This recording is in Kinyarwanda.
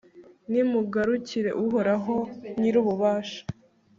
nimugarukire uhoraho nyir'ububasha